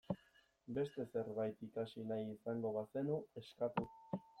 Beste zerbait ikasi nahi izango bazenu, eskatu.